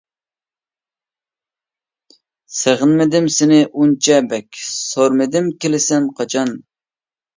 سېغىنمىدىم سېنى ئۇنچە بەك، سورىمىدىم كېلىسەن قاچان.